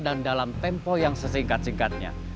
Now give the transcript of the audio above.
dan dalam tempo yang sesingkat singkatnya